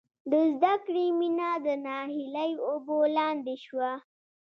د زدکړې مینه د ناهیلۍ اوبو لاندې شوه